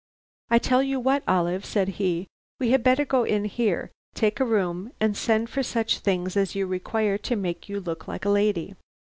"'I tell you what, Olive,' said he, 'we had better go in here, take a room, and send for such things as you require to make you look like a lady.'